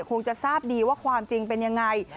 คงจะทราบดีว่าความจริงเป็นยังไง